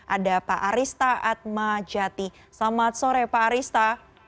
ada pak arista atmajati selamat sore pak arista